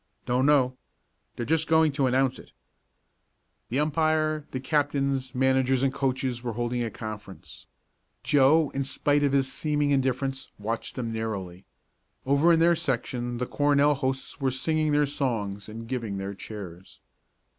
"Don't know. They're just going to announce it." The umpire, the captains, managers, and coaches were holding a conference. Joe, in spite of his seeming indifference, watched them narrowly. Over in their section the Cornell hosts were singing their songs and giving their cheers.